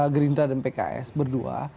gerindra dan pks berdua